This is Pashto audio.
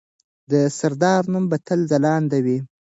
د سردار نوم به تل ځلانده وي.